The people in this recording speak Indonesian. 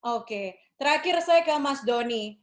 oke terakhir saya ke mas doni